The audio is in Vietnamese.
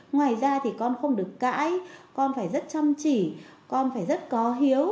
ngoài ra thì con không được cãi con phải rất chăm chỉ con phải rất có hiếu